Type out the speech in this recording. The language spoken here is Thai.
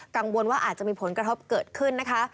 กังวลว่าอาจจะมีผลกระทบเกิดขึ้นนะคะ